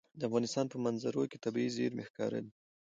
د افغانستان په منظره کې طبیعي زیرمې ښکاره ده.